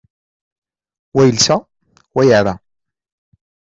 Wa yelsa, wa yeεra.